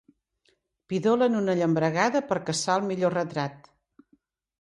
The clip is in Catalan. Pidolen una llambregada per caçar el millor retrat.